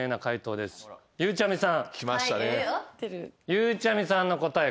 ゆうちゃみさんの答え